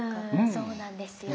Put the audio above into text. そうなんですよ。